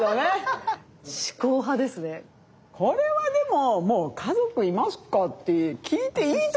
これはでももう「家族いますか？」って聞いていいと思う。